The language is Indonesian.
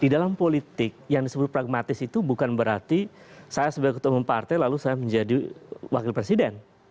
di dalam politik yang disebut pragmatis itu bukan berarti saya sebagai ketua umum partai lalu saya menjadi wakil presiden